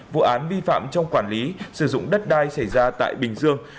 vụ án vi phạm trong quản lý sử dụng đất đai xảy ra tại bình dương